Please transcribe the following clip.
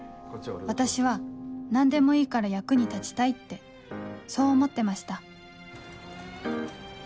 私は何でもいいから役に立ちたいってそう思ってました